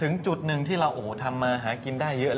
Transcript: ถึงจุดหนึ่งที่เราทำมาหากินได้เยอะเลย